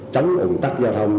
chấm ủng tắc giao thông